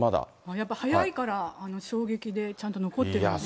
やっぱ速いから、衝撃で、ちゃんと残っているんですね。